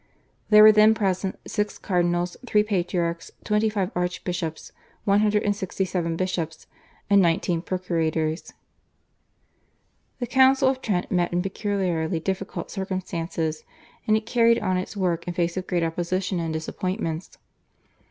There were then present six cardinals, three patriarchs, twenty five archbishops, one hundred and sixty seven bishops, and nineteen procurators. The Council of Trent met in peculiarly difficult circumstances, and it carried on its work in face of great opposition and disappointments.